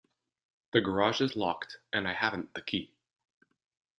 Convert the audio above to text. The garage is locked; and I haven't the key.